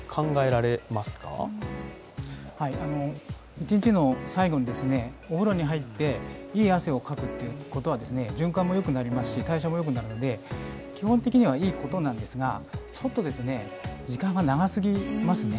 一日の最後にお風呂に入っていい汗をかくということは循環もよくなりますし、代謝もよくなるので基本的にはいいことなんですがちょっと時間が長すぎますね。